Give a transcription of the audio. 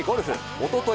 おととい